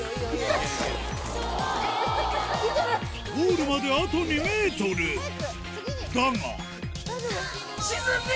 ゴールまであと２ｍだが大丈夫？